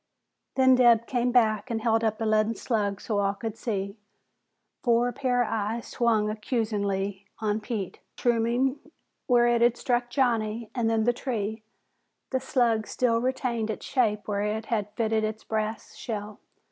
Then Dabb came back and held up the leaden slug so all could see. Four pairs of eyes swung accusingly on Pete. Mushrooming where it had struck Johnny and then the tree, the slug still retained its shape where it had fitted its brass shell.